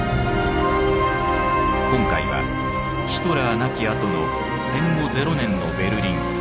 今回はヒトラー亡き後の戦後ゼロ年のベルリン。